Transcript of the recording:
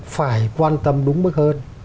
phải quan tâm đúng mức hơn